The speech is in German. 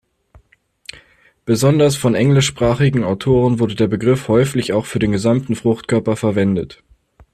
Besonders von englischsprachigen Autoren wurde der Begriff häufig auch für den gesamten Fruchtkörper verwendet.